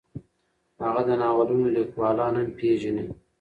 هغه د ناولونو لیکوالان هم پېژني.